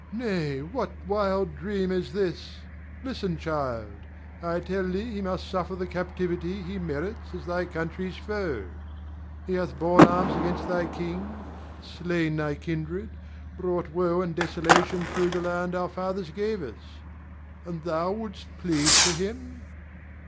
Nay, what wild dream is this? Listen, child! I tell thee he must suffer the captivity he merits as thy country's foe. He hath borne arms against thy king, slain thy kindred, brought woe and desolation thro' the land our fathers gave us. And thou wouldst plead for him!